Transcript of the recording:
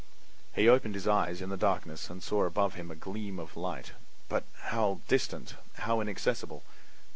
He opened his eyes in the darkness and saw above him a gleam of light, but how distant, how inaccessible!